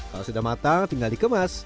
kalau sudah matang tinggal dikemas